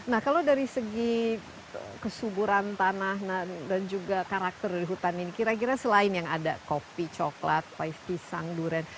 nah kalau dari segi kesuburan tanah dan juga karakter dari hutan ini kira kira selain yang ada kopi coklat pie pisang durian